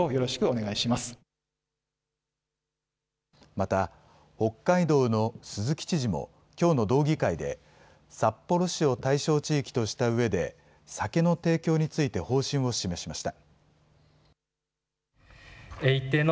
また、北海道の鈴木知事も、きょうの道議会で、札幌市を対象地域としたうえで、酒の提供について方針を示しました。